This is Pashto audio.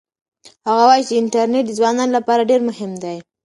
هغه وایي چې انټرنيټ د ځوانانو لپاره ډېر مهم دی.